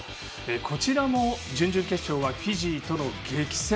こちらも準々決勝はフィジーとの激戦。